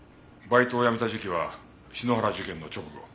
バイトを辞めた時期は篠原事件の直後。